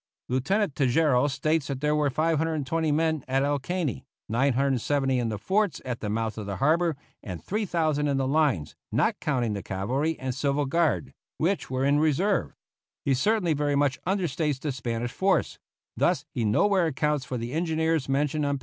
Lieutenant Tejeiro states that there were 520 men at El Caney, 970 in the forts at the mouth of the harbor, and 3,000 in the lines, not counting the cavalry and civil guard which were in reserve. He certainly very much understates the Spanish force; thus he nowhere accounts for the engineers mentioned on p.